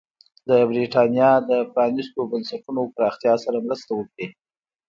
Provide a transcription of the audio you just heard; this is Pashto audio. د برېټانیا د پرانېستو بنسټونو پراختیا سره مرسته وکړي.